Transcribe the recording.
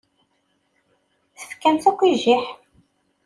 Tefkam-tt akk i jjiḥ.